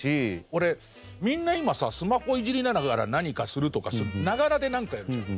俺みんな今さスマホいじりながら何かするとかながらでなんかやるじゃん。